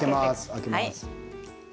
開けます。